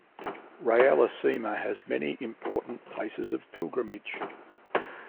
Rayalaseema has many important places of pilgrimage.